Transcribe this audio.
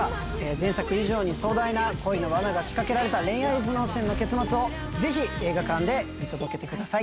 前作以上に壮大な恋のワナが仕掛けられた恋愛頭脳戦の結末をぜひ映画館で見届けてください。